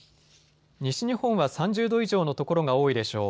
西日本は３０度以上の所が多いでしょう。